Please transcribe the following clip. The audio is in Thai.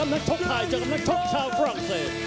นักชกไทยเจอกับนักชกชาวฝรั่งเศส